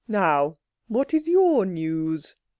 Now, what's your news?"